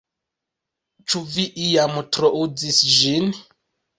Ĉu vi iam trouzis ĝin?